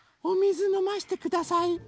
おみずのましてください。